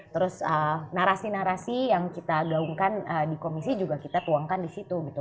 terus narasi narasi yang kita gaungkan di komisi juga kita tuangkan di situ gitu